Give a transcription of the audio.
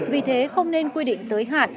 vì thế không nên quy định giới hạn